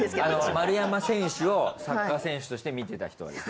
丸山選手をサッカー選手として見てた人がでしょ？